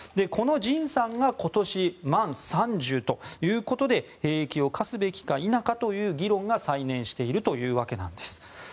このＪＩＮさんが今年満３０ということで兵役を課すべきか否かという議論が再燃しているというわけです。